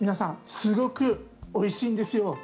すごくおいしいんですよ。